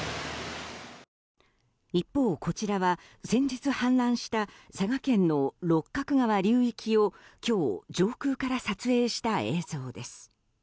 一方、こちらは先日氾濫した佐賀県の六角川流域を今日、上空から撮影した映像です。